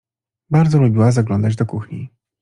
Bardzo lubiła zaglądać do kuchni.